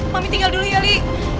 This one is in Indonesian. mami tinggal dulu ya li